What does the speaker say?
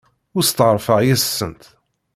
Ur steɛṛfeɣ yes-sent.